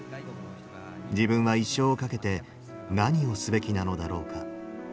自分は一生を懸けて何をすべきなのだろうか。